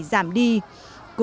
sẽ không được tốt hơn